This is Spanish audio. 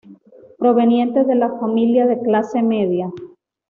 Proveniente de familia de clase media.